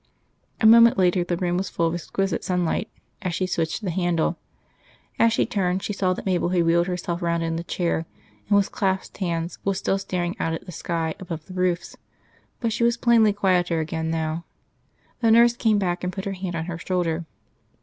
A moment later the room was full of exquisite sunlight, as she switched the handle. As she turned, she saw that Mabel had wheeled herself round in the chair, and with clasped hands was still staring out at the sky above the roofs; but she was plainly quieter again now. The nurse came back, and put her hand on her shoulder.